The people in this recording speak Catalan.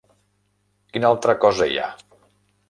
Quina altra cosa hi ha?